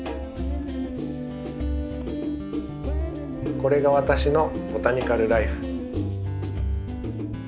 これが私のボタニカル・らいふ。